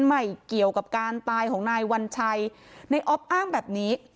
ไม่เกี่ยวกับการตายของนายวัญชัยในออฟอ้างแบบนี้